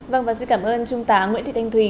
vâng và xin cảm ơn trung tá nguyễn thị thanh thùy